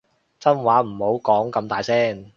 真話唔好講咁大聲